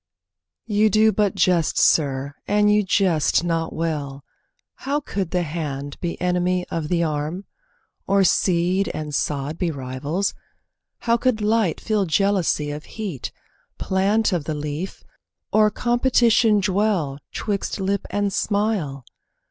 You do but jest, sir, and you jest not well, How could the hand be enemy of the arm, Or seed and sod be rivals! How could light Feel jealousy of heat, plant of the leaf, Or competition dwell 'twixt lip and smile?